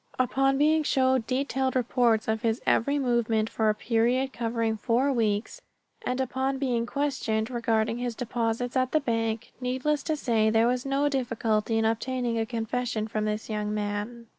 Upon being shown detailed reports of his every movement for a period covering four weeks, and upon being questioned regarding his deposits at the bank, needless to say there was no difficulty in obtaining a confession from this young man.